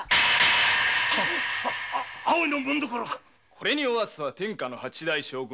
これにおわすは天下の八代将軍